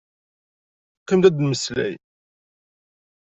Qim-d ad nemmeslay.